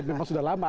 memang sudah lama